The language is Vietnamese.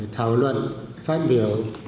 thảo luận phát biểu